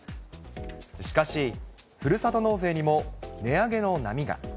しかし、ふるさと納税にも値上げの波が。